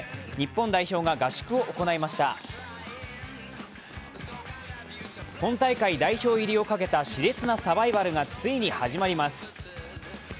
本大会代表入りをかけたしれつなサバイバルがついに始まります。